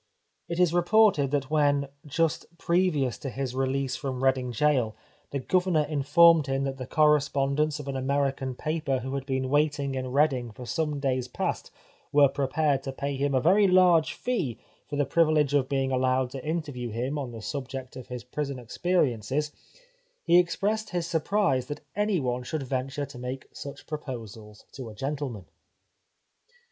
It is reported that when, just previ ous to his release from Reading Gaol, the Gover nor informed him that the correspondents of an American paper who had been waiting in Reading for some days past were prepared to pay him a very large fee for the privilege of 279 The Life of Oscar Wilde being allowed to interview him on the subject of his prison experiences he expressed his sur prise that any one should venture to make such proposals to a gentleman.